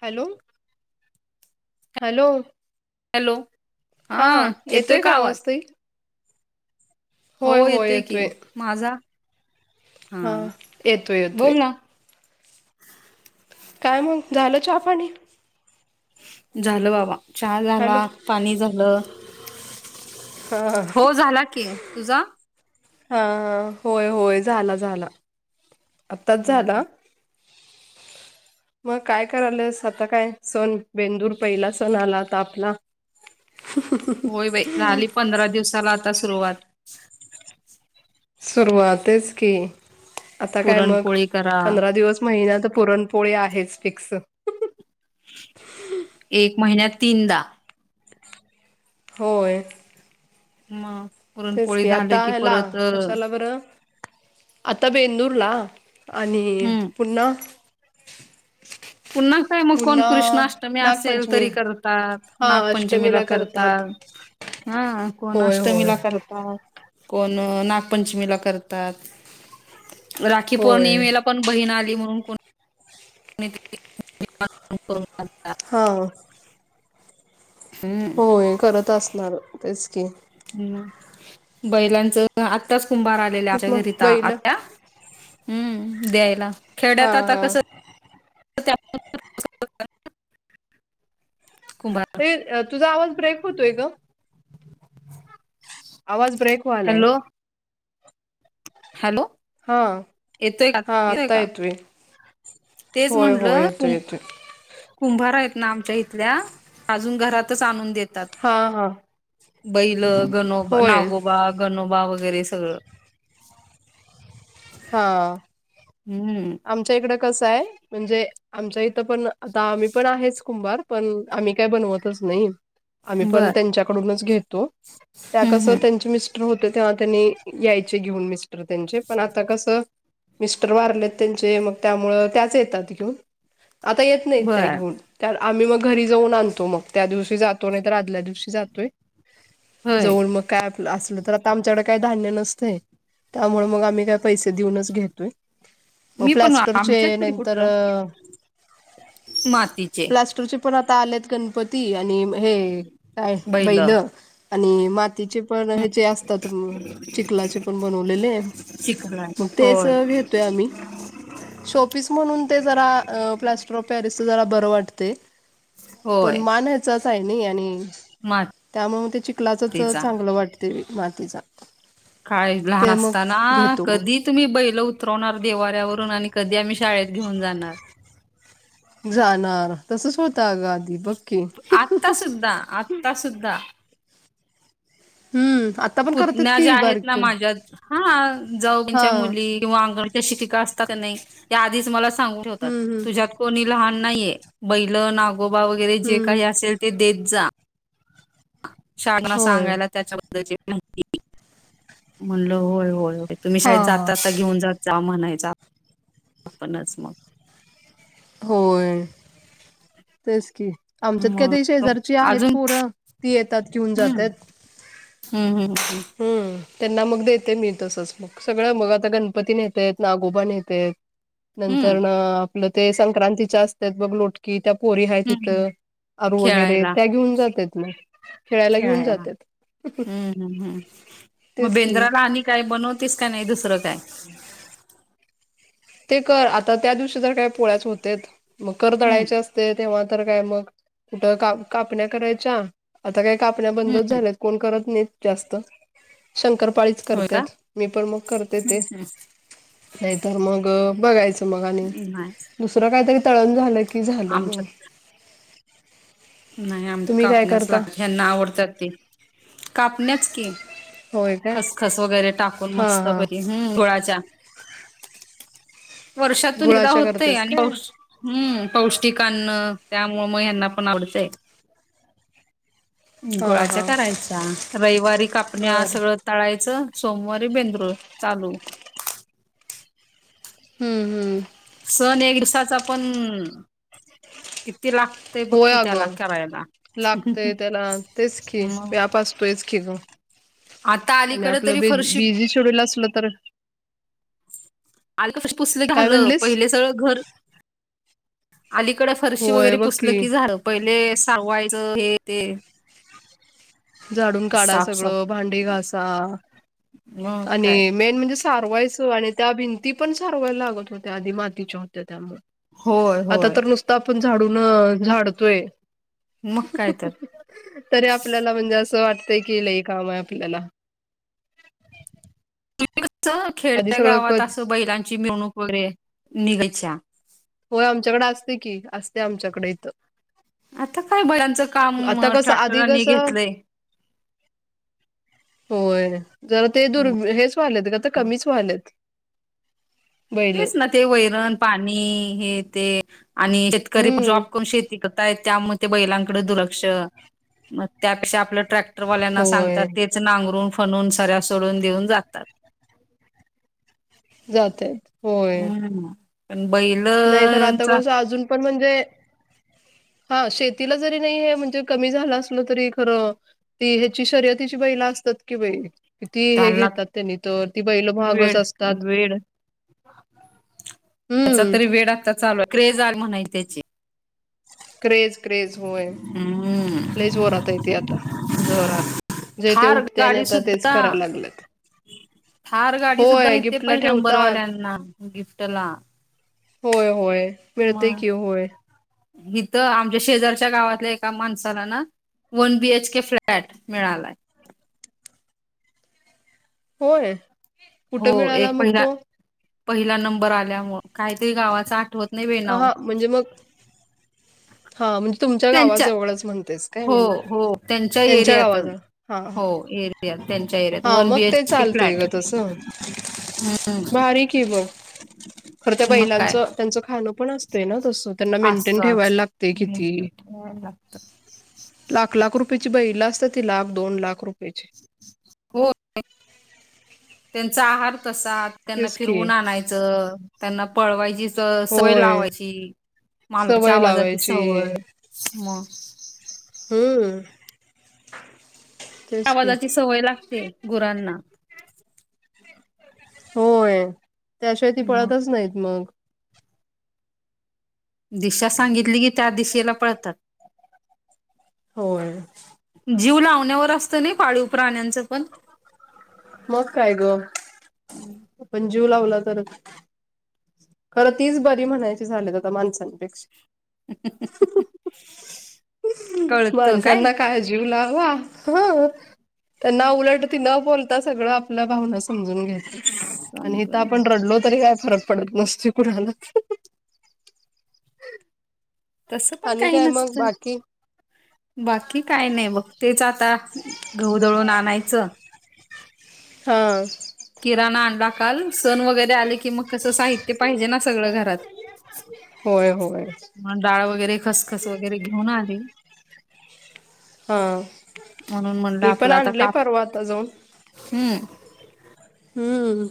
Hello hello. Hello हा येतोय का आवाज? हो होय होय येतोय की, माझा हा येतोय येतोय बोल ना. काय मंग झालं चहा पाणी? झालं बाबा चहा हॅलो झाला, पाणी झालं. हा हो झाला की तुझा. ह ह, होय होय, झाला झाला. आत्ताच हम्म हम्म झाला. मग काय करायलेस आता काय सण बेंदूर पहिला सण आला आता आपला. [inaudible] होय बाई झाली पंधरा दिवसाला आता सुरुवात. सुरुवातेच की आता काय मग पुरणपोळी करा पंधरा दिवस. महिना त पुरणपोळी आहेच फिक्स. एक महिन्यात तीनदा. होय! म! तेच की आता ह्याला कशाला बरं? आता बेंदूर ला आणि पुन्हा? पुन्हा काय मग कोण पुन्हा कृष्णआष्टमी असेल नागपंचमी तरी करतात, हा नागपंचमीला अष्टमीला करतात. हा कोण होय होय अष्टमीला कर तात कोण नागपंचमीला करतात राखी होय पौर्णिमेला पण बहीण आली म्हणून कोण [unintelligible] हा! [inaudible] होय करत असणार तेच की. हू बैलांचं आत्ताच कुंभार आलेले तेच आमच्या घरी मग तं बैल आत्या. हू द्यायला हा खेड्यात आता हा कसं [unintelligible] कुंभार! ये तुझा आवाज ब्रेक होतोय ग. आवाज ब्रेकव्हालाय. हॅलो हॅलो हा येतोय का हा येतोय आत्ता का? तेच होय होय म्हणलं येतोय कुम येतोय कुंभार आहेत ना आमच्या इथल्या अजून घरातच आणून दे तात हा हा बैल, गनोब, होय नागोबा, गनोबा वगैरे सगळं. [inaudible] हा! हू! आमच्या इकडं कसं आहे म्हणजे. आमच्या इथं पण आता आम्ही पण आहेच कुंभार, पण आम्ही काय बनवतच नाही. आम्ही पण बर त्यांच्याकडूनच घेतो त्या हम्म कस हम्म त्यांचे मिस स्टर होतो तेव्हा त्यांनी यायचे घेऊन मिस्टर त्यांचे पण आता कस मिस्टर वारलेतं. त्यांचे मग त्यामुळ त्याच येतात घेऊन आता येत नाहीत त्या बर घेऊन. तर आम्ही मग घरी जाऊन आणतो मग, त्या दिवशी जातो नाही तर आदल्या दिवशी जातोय. होय जऊळ मग काय आपलं असलं तर आता आमच्याकड काय धान्य नसतय, त्यामुळ मग आम्ही काय पैसे देऊनच घेतोय. मग मी पण प्लॅस्टरचे आमच्यात तरी नंतर कुठलं मातीचे प्लॅस्टरचे पण आता आलेत गणपती आणि हे काय बैल बैलं. आणि मातीचे पण हेचे असतात चिखलाचे पण बनवलेले. चिखला मग तेच होय घेतोय आम्ही. शोपीस म्हणून ते जरा अ प्लॅस्टर ऑफ पॅरिसच जरा बरं वाटतय. पण होय मान जसाय नही आणि त्यामुळे म ते चीखलाचच मातीचा चांगलं वाटते मातीचा. काय लहान ते असताना मग घेतो कधी मग तुम्ही बैल उतरवणार देवाऱ्यावरून आणि कधी आम्ही शाळेत घेऊन जाणार. जाणार तसच होत ग आधी की आत्ता सुुद्धा आता सुद्धा हम्म आता पण करतात पुतण्या की ज्या आहेत बारीक ना पोरं माझ्या हा जाऊनच्या हा मुली किंवा अंगणवाडीच्या शिकिका असतात का नाही या आधीच मला सांगून ठेवतात हम्म हम्म तुझ्यात कोणी लहान नाहीये बैल नागोबा वगैरे जे हम्म काही असेल ते देत जा. शाळना होय. सांगायला त्याच्याबद्दलची माहिती म्हणलं होय होय होय तुम्ही हा शाळेत हा. जातासा घेऊन जात जा म्हणायच आपणच मग. होय तेच की. आमच्यात काय ते मग शेजारची आहेत अजून पोरं ती येतात घेऊन हम्म जातात हम्म हम् ह् हम् त्यांना मग देते मी तसच मग सगळं मग आता गणपती नेतेत नागोबा नेतेत हम्म नंतर आपलं ते संक्रांतीच्या असतात बघ लोट कि त्या पोरी ह हम्म तिथं आरू वगैरे खेळायला त्या घेऊन जातेत खेळायला घेऊन जात्यात ह् ह् मग तेच की. बेंद्राला आणि काय बनवतेस का नाही दुसरं काय ते कर आता त्या दिवशी जर काय पोळ्याच होतेत मग कर हम्म तळाायचे असते तेव्हा तर काय मग कुठ का कापण्या करायच्या आता काय कापण्या बंदच हम्म झाल्यात कोण करत नाही जास्त शपाळी होय का करतेत मी पण मग करते ते हम्म नाहीतर मग बघायच मग आणि हम्म नाही दुसरं काहीतरी तळण झालं की झालं मग आमच्यात नाही आम तुम्ही काय कापण्यास करता लाग ह्यांना आवडतात ते कापण्याच की होय काय खसखस वगैरे टाकून हा मस्त हा बरी. हम् ोळाच्या वर्षातून एकदा गुळाच्या होतय करतेस आणि. काय हम्म पौष्टिक अन्न त्यामुळं मग ह्यांना पण आवडचंय. हा गुळाच्या हा करायच्या रविवारी कापण्या बर सगळं. तळायचं सोमवारी बेंद्रू चालू. हम्म हम्म. सण एक दिसाचा पण किती लाख. होय अ गं लागतय त्याला तेच खी मग व्याप असतोयच की ग. आता आणि अलीकडे आपलं तरी बि फरशी बिझी शोड्यल असलं तर. आलं पुसले काय झाालं म्हणलीस पहिले सळ घर. अलीकड फरशी होय वगैरे बघ पुसलं की झालं पहिले सवायचं हे ते. झाडून काढा साफसाफ सगळं भांडी घासा मग काय आणि मेन म्हणजे. सारवायचं आणि त्या भिंती पण सारवायला लागत होत्या आधी मातीच्या होत्या त्यामु. होय आता होय तर नुसता आपण झाडून झाडतोय. मग काय तर तरी आपल्याला म्हणजे असं वाटतंय कि लई काम आहे आपल्याला. कस आधी खेड्या सगळं क गावात असं बैलांची मिरवणूक वगैरे निघायच्या. होय आमच्याकडे असते की असते आमच्याकडे इथं. आता काय बैलाचं काम आता कसं आधी ट्रॅक्टरांनी कसं घेतलंय. होय. जरा ते दुर् हेच व्हालेत का तर कमीच व्हालेत. तेच ना ते वैरण पाणी हे ते आणि शेतकरीण हम्म जॉब करून श. टिकताय त्यामुळे ते बैलांकड दुर्लक्ष मग त्यापेक्षा आपलं ट्रॅ. पट्रवाल्यांना होय सांगतात तेच नांगरून फनून सऱ्या सोडून देऊन जातात. जात आहेत. हम्म पण नाही खरं आता बैलचा कसं अजून पण म्हणजे, हा शेतीला जरी नाही हे म्हणजे कमी झालं असल तरी खरं, ती हेची शर्यतीची बैलं असतात कि बाई, किती हे त्यांना घेतात त्यांनी तर, ती बैल महागच वेड असतात. वेड त्याचा हम्म तरी वेड आता चालू आहे, क्रेज आहे म्हणायची त्याची क्रेज, क्रेज होय हम्म. लई जोरात हाय ते आता. जोरात जे ते थार उठतयं आणि गाडी आता तेच कराय सुद्धा लागल्यात. थार गाडी सुद्धा मिळते पहिल्या ठेवतात नंबरवाल्यांना गिफ्टला होय, होय मिळतंय की होय. हिथं आमच्या शेजारी त्या गावातल्या एका माणसाला ना वन बीएच के फ्लॅट मिळालाय. होय. हो कुठं मिळाला एक मग पहिला, तो पहिला नंबर आल्यामुळं काहीतरी गावाच आठवत नाही बई नाव. हा म्हणजे मग हा म्हणजे तुमच्या त्यांच्या गावाजवळच म्हणतेस काय, हो म्हण हो त्यांच्या एरियात गावाजवळ हा, हा, हो एरियात त्यांच्या एरियात हा वन मग बी ते एच के चालतय फ्लॅट गं तसं. हम्म भारी की मग खरं त्या मग काय बैलाचं, त्यांचं खाणं पण असते ना तसं, त्यांना मेंटेन ठेवायला लाग मेटंन ठेवाय लागतं. लाख-लाख रुपयची बैलं असत्यात ती लाख, दोन लाख रुपयची. हो त्यांचा आहार कसा त्यांना तेच की फिरवून आणायचं, त्यांना पळवायचीच सवय होय लावायची, मालकाच्या सवय आवाजाची लावायची सवय मग, हूं.. त्या आवाजाची सवय लागते गुरांना, होय, त्याशिवाय ती मग पळतच नाहीत मग. दिशा सांगितली की त्या दिशेला पळतात. होय हू जीव लावण्यावर असतं नाही पाळीव प्राण्यांचं पण. मग काय गं, आपण जीव लावला तरच. खरं तीच बरी म्हणायची झाल्यात आता माणसांपेक्षा. माणसांना काय जीव लावा हं त्यांना उलट ती न बोल ता सगळं आपल्या भावना समजून घेत्यात आणि इथं समजून आपण घेत रडलो तरी काय फरक- पडत नसतोय कुणालाच. तसं पण आणि काही काय मग नसतंय. बाकी बाकी काय नाही बघ, तेच आता गहू दळून आणायचं. हां. किराणा आणला काल सण वगैरे- आले की मग, कसं साहित्य पाहिजे ना सगळं घरात. होय होय मग डाळ वगैरे, खसखस वगैरे घेऊन आली. हां, म्हणून मी पण आणलंय परवा आता जावून- हूं. हूं...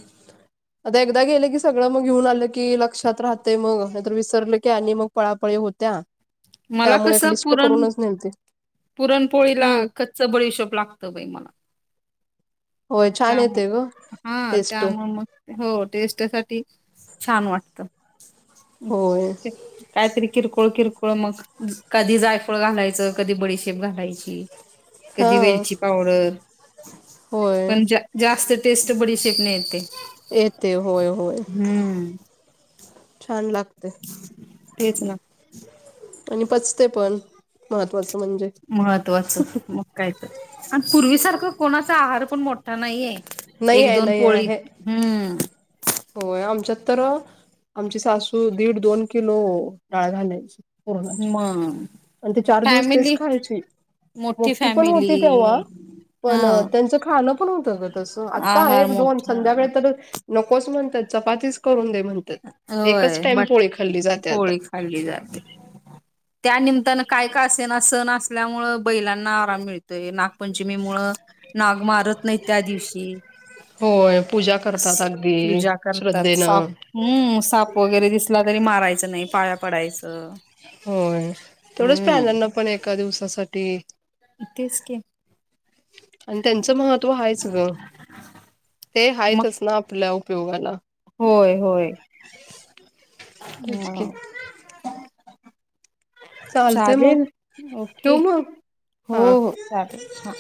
आता एकदा गेले की सगळं मग घेऊन आलं की लक्षात राहते मग नाहीतर विसरलं की आणि मग पळापळी होत्या. मला त्यामुळे कस एक लिस्ट पुरण करूनच नेलते पुरणपोळीला हम्म च बडीशोप लागतं बाई मला. होय छान त्यामूळ येते ग हा टेस्ट त्यामूळ मग हो टेस्टसाठी छान वाटत. होय कायतरी किरकोळ किरकोळ मग. कधी जायफळ घालायचं कधी बडीशेप घालायची. कधी हा वेलची पावडर होय पण जा जास्त टेस्ट बडीशेप ने येते येते होय होय हम्म. छान लागते. तेच ना. आणि पचते पण महत्वाचं म्हणजे. महत्त्वाचं मग काय तर आणि पूर्वीसारखं कोणाचा आहार पण मोठा नाहीये. नाही एक आहे दोन नाही पोळी आहे हम्म. होय आमच्यात तर आमची सासू दीड, दोन किलो डाळ घालायची. पुरणाची मग आणि ते चार दिवस तेच फॅमिली खायची. मोठी पण होती तेव्हा. हा पण त्यांचं खाणं पण होत तसं आता आहार एक दोन मोठा संध्याकाळी तर नकोच म्हणतात चपातीस करून दे म्हणतात एकच होय टाइम बट पोळी खाल्ली जाते आता. पोळी खाल्ली जाते त्या निमतान काय का असे ना सण असल्यामुळं बैलांना आराम मिळतोय नागपंचमी मुळं नाग मारत नाहीत त्या दिवशी. होय पूजा करतात अगदी पूजा करतात साप श्रद्धेनं. हम्म साप वगैरे दिसला तरी मारायचं नाही पाया पडायचं. होय तेवढंच हम्म प्राण्यांना पण एका दिवसासाठी इथेच की. आणि त्यांचं महत्व हायच ग ते मग हायतच ना आपल्या उपयोगाला. होय होय. तेच की म. चालतंय मग चालेल ओके ठेवू मग हो हा हो चालेल हा.